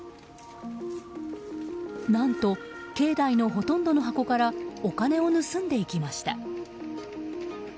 何と、境内のほとんどの箱からお金を盗んでいきました。